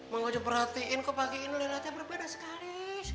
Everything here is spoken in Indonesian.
mak wajo perhatiin kok pagi ini lelelatnya berbeda sekali